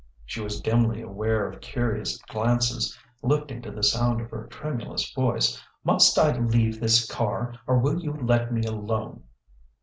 She was dimly aware of curious glances lifting to the sound of her tremulous voice: "Must I leave this car? Or will you let me alone?"